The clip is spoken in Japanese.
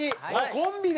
コンビで。